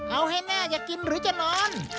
เอาให้แน่อย่ากินหรือจะนอน